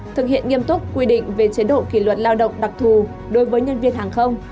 thực hiện nghiêm túc quy định về chế độ kỷ luật lao động đặc thù đối với nhân viên hàng không